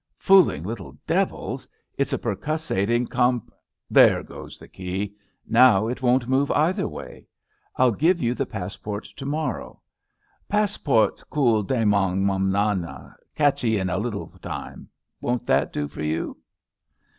Fooling little devils. It's a percussating comp There goes the key. Now it won't move either way. I'll give you the passport to GEIFFITHS THE SAFE MAN 67 morrow. Passport kid demang manana — catchee in a little time. Won't that do for you?